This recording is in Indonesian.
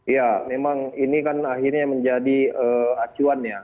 ya memang ini kan akhirnya menjadi acuan ya